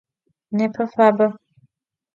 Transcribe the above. Nêpe fabe.